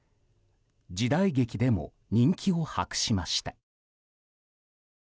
時代劇でも人気を博しました。